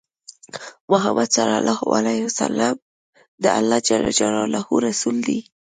محمد صلی الله عليه وسلم د الله جل جلاله رسول دی۔